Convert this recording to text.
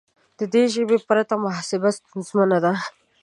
د دې ژبې پرته محاسبه ستونزمنه ده.